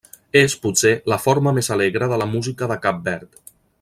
És, potser, la forma més alegre de la música de Cap Verd.